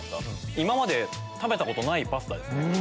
今まで食べたことないパスタです。